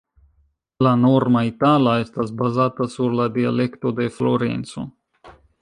La norma itala estas bazata sur la dialekto de Florenco.